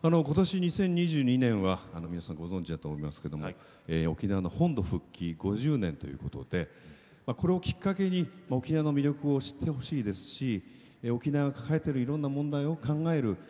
ことし２０２２年は皆さんご存じだと思いますけども沖縄の本土復帰５０年ということでこれをきっかけに沖縄の魅力を知ってほしいですし沖縄が抱えてるいろんな問題を考える